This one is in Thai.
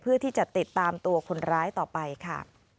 เพื่อที่จะติดตามตัวคนร้ายต่อไปค่ะ